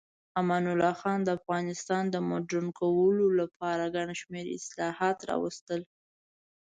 امان الله خان د افغانستان د مډرن کولو لپاره ګڼ شمیر اصلاحات راوستل.